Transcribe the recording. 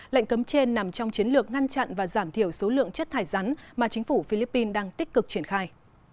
lệnh cấm trên nằm trong chiến lược ngăn chặn và giảm thiểu số lượng chất thải rắn mà chính phủ philippines đang tích cực triển khai